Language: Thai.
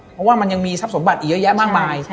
เพราะว่ามันยังมีทรัพย์สมบัติอีกเยอะแยะมากมาย